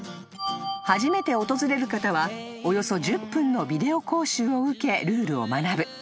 ［初めて訪れる方はおよそ１０分のビデオ講習を受けルールを学ぶ］